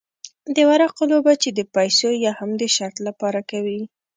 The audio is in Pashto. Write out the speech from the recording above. د ورقو لوبه چې د پیسو یا هم د شرط لپاره کوي.